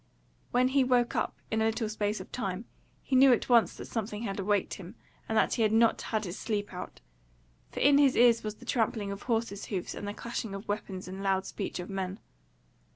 When he woke up in a little space of time, he knew at once that something had awaked him and that he had not had his sleep out; for in his ears was the trampling of horse hoofs and the clashing of weapons and loud speech of men.